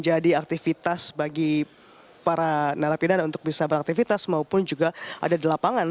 jadi aktivitas bagi para narapidana untuk bisa beraktivitas maupun juga ada di lapangan